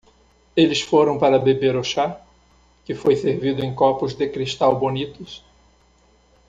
Eles foram para beber o chá? que foi servido em copos de cristal bonitos.